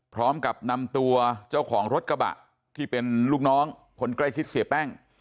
พร้อมกับนำตัวเจ้าของรถกระบะที่เป็นลูกน้องคนใกล้ชิดเสียแป้ง